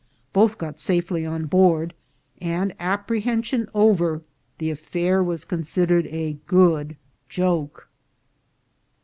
Both got safely on board, and, apprehension over, the affair was considered a good joke.